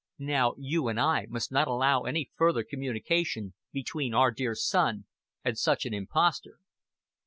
Now You and I must not allow any further communication between Our dear Son and such an impostor."